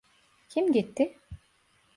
Kim gitti?